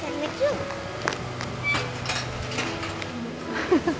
フフフフ。